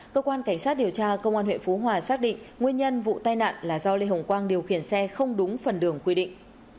cơ quan cảnh sát điều tra công an huyện phú hòa xác định nguyên nhân vụ tai nạn là do lê hồng quang điều khiển xe không đúng phần đường quy định